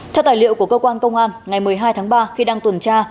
theo tài liệu của cơ quan công an ngày một mươi hai tháng ba khi đang tuần tra